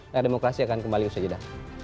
layar demokrasi akan kembali usai jeda